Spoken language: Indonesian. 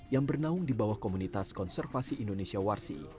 yang bernaung di bawah komunitas konservasi indonesia warsi